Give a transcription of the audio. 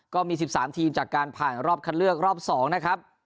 ก็มี๑๓ทีมจากการผ่านรอบคัดเลือกรอบ๒นะครับ